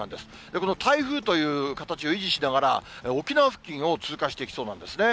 この台風という形を維持しながら、沖縄付近を通過していきそうなんですね。